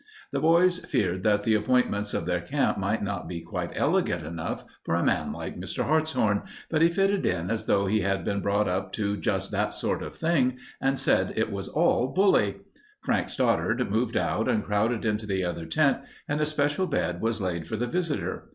The boys feared that the appointments of their camp might not be quite elegant enough for a man like Mr. Hartshorn, but he fitted in as though he had been brought up to just that sort of thing and said it was all bully. Frank Stoddard moved out and crowded into the other tent, and a special bed was laid for the visitor.